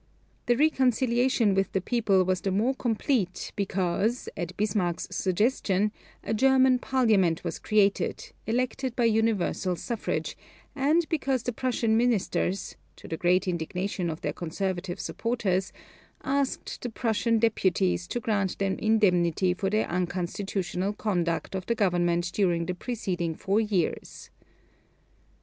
The reconciliation with the people was the more complete because, at Bismarck's suggestion, a German Parliament was created, elected by universal suffrage, and because the Prussian ministers (to the great indignation of their conservative supporters) asked the Prussian Deputies to grant them indemnity for their unconstitutional conduct of the government during the preceding four years.